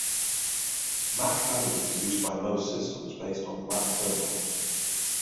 Mach-O is used by most systems based on the Mach kernel.